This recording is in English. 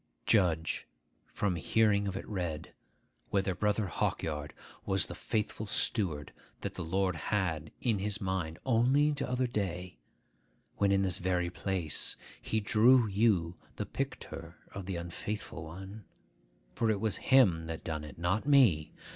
Judge, from hearing of it read, whether Brother Hawkyard was the faithful steward that the Lord had in his mind only t'other day, when, in this very place, he drew you the picter of the unfaithful one; for it was him that done it, not me.